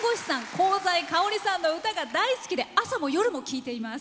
香西かおりさんの歌が大好きで朝も夜も聴いています。